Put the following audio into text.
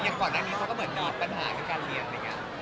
ยังก่อนแรกนี้ก็มีปัญหากันการเรียงอะไรอย่างงี้